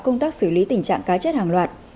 công tác xử lý tình trạng cá chết hàng loạt